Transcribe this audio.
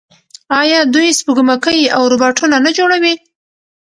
آیا دوی سپوږمکۍ او روباټونه نه جوړوي؟